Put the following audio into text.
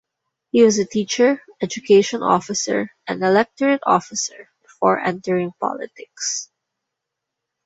He was a teacher, education officer and electorate officer before entering politics.